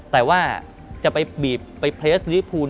แต่ว่าจะไปบีบไปเพลสลิพูล